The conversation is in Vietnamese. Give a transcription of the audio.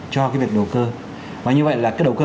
cho cái việc đầu cơ và như vậy là cái đầu cơ